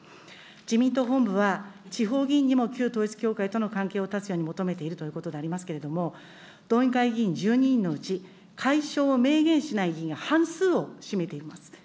自民党本部は、地方議員にも旧統一教会との関係を断つように求めているということでありますけれども、道議会議員１２人のうち、解消を明言しない議員が半数を占めています。